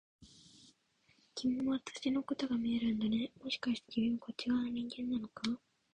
君も私のことが見えるんだね、もしかして君もこっち側の人間なのか？